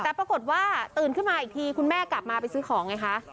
แต่ปรากฏว่าตื่นขึ้นมาอีกทีคุณแม่กลับมาไปซื้อของไงคะ